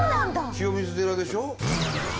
清水寺でしょ？